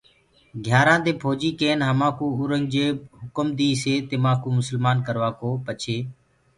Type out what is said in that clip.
گھيآرآنٚ دي ڦوجيٚ ڪين همآنٚڪو اورنٚگجيب هُڪم ديسي تمآنٚڪو مُسلمآن ڪروآڪو پڇي